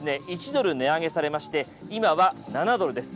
１ドル値上げされまして今は７ドルです。